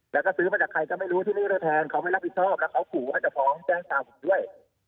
แล้วก็ซื้อมาจากใครก็ไม่รู้ที่ไม่ได้แทนเขาไม่รับผิดชอบแล้วเขาขู่ว่าจะฟ้องแจ้งความผมด้วย